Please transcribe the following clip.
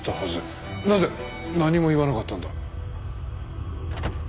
なぜ何も言わなかったんだ？